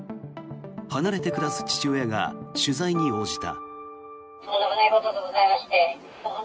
離れて暮らす父親が取材に応じた。